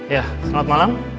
ya selamat malam